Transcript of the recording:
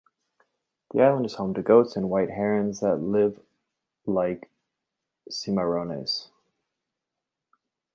The island is home to goats and white herons that live like cimarrones.